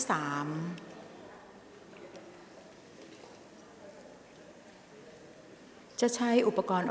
ออกรางวัลเลขหน้า๓ตัวครั้งที่๒